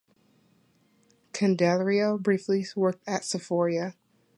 Candelario briefly worked at Sephora.